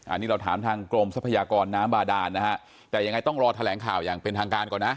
อันนี้เราถามทางกรมทรัพยากรน้ำบาดานนะฮะแต่ยังไงต้องรอแถลงข่าวอย่างเป็นทางการก่อนนะ